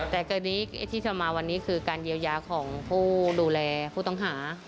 แต่กรณีที่จะมาวันนี้คือการเยียวยาของผู้ดูแลผู้ต้องหา